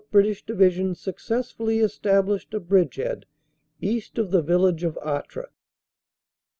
British Division successfully established a bridgehead east of the vil lage of Artres.